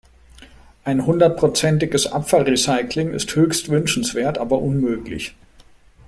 Ein hundertprozentiges Abfallrecycling ist höchst wünschenswert, aber unmöglich.